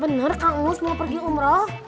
bener kang mus mau pergi umroh